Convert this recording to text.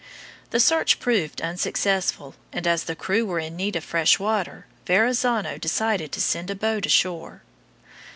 The search proved unsuccessful, and as the crew were in need of fresh water, Verrazzano decided to send a boat ashore.